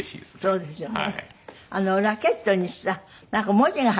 そうですね。